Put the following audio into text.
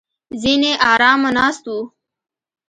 ځینې ارامه ناست وو.